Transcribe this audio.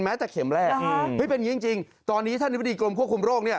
แม้แต่เข็มแรกเฮ้ยเป็นอย่างนี้จริงตอนนี้ท่านอธิบดีกรมควบคุมโรคเนี่ย